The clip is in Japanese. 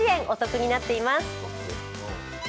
お得になっています。